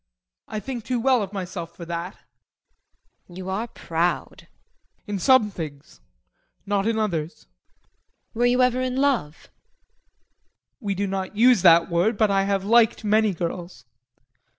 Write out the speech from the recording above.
I think too well of myself for that. JULIE. You are proud. JEAN. In some things not in others. JULIE. Were you ever in love? JEAN. We do not use that word, but I have liked many girls.